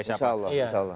insya allah insya allah